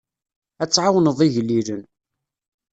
Ad tɛawneḍ igellilen.